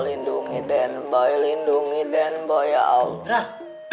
lindungi den boy lindungi dan boy ya allah